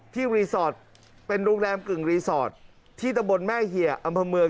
รีสอร์ทเป็นโรงแรมกึ่งรีสอร์ทที่ตะบนแม่เหี่ยอำเภอเมือง